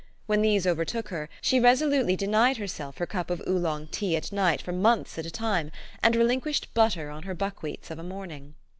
When these overtook her, she resolutely denied herself her cup of Oolong tea at night for months at a time, and relinquished butter on her buckwheats of a morning.